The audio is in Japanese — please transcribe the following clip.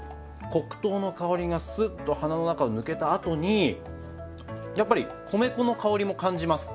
黒糖の香りがスッと鼻の中を抜けたあとにやっぱり米粉の香りも感じます。